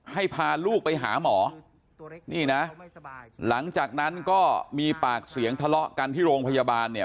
พาลูกไปหาหมอนี่นะหลังจากนั้นก็มีปากเสียงทะเลาะกันที่โรงพยาบาลเนี่ย